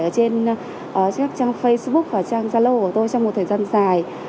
trên trang facebook và trang zalo của tôi trong một thời gian dài